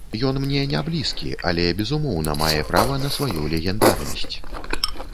Ён мне не блізкі, але, безумоўна, мае права на сваю легендарнасць.